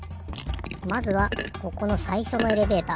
まずはここのさいしょのエレベーター。